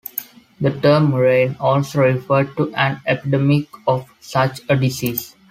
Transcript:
The term murrain also referred to an epidemic of such a disease.